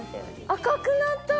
赤くなった！